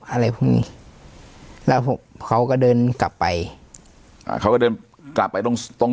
อะไรพวกนี้แล้วเขาก็เดินกลับไปอ่าเขาก็เดินกลับไปตรงตรง